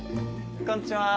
こんちは。